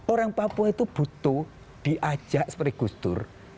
orang papua itu butuh diajak seperti gus dur